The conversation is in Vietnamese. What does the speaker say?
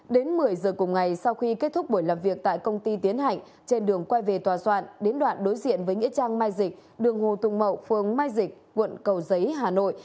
đến một mươi giờ cùng ngày sau khi kết thúc buổi làm việc tại công ty tiến hạnh trên đường quay về tòa soạn đến đoạn đối diện với nghĩa trang mai dịch đường hồ tùng mậu phường mai dịch quận cầu giấy hà nội